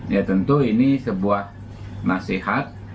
ya tentu ini sebuah nasihat